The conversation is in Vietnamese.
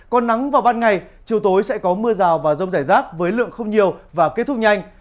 còn nắng vào ban ngày chiều tối sẽ có mưa rào và rông rải rác với lượng không nhiều và kết thúc nhanh